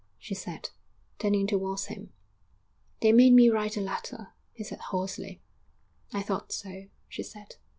she said, turning towards him. 'They made me write the letter,' he said hoarsely. 'I thought so,' she said.